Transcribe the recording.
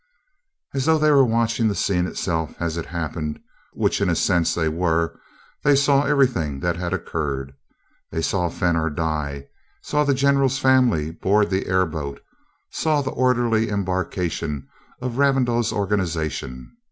As though they were watching the scene itself as it happened which, in a sense, they were they saw everything that had occurred. They saw Fenor die, saw the general's family board the airboat, saw the orderly embarkation of Ravindau's organization.